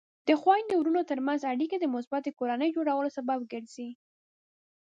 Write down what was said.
د خویندو ورونو ترمنځ اړیکې د مثبتې کورنۍ جوړولو سبب ګرځي.